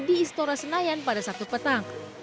di istora senayan pada sabtu petang